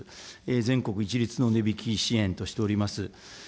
全国一律の値引き支援としております。